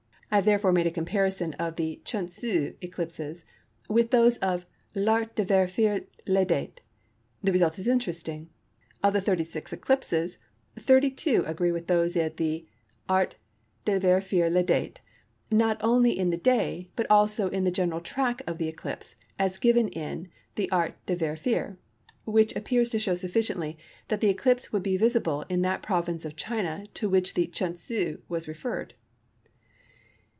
I have therefore made a comparison of the Chun Tsew eclipses with those of L'Art de vérifier les Dates. The result is interesting. Of the 36 eclipses, 32 agree with those of the Art de vérifier les Dates, not only in the day, but also in the general track of the eclipse as given in the Art de vérifier, which appears to show sufficiently that the eclipse would be visible in that province of China to which the Chun Tsew is referred."